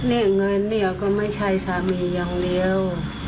เนี่ยเงินเนี่ยก็ไม่ใช่สามีอย่างเดียว